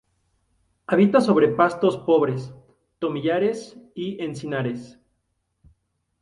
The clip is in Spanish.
Habita sobre pastos pobres, tomillares y encinares.